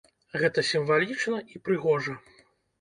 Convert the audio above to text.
Гэта сімвалічна і прыгожа.